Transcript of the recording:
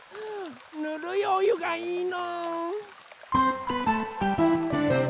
ぬるいおゆがいいの。